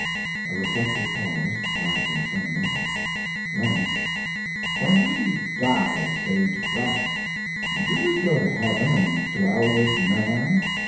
(A reflective pause, lasting some moments.) Then: "When we die, Sage Brush, do we go to heaven and dwell with man?"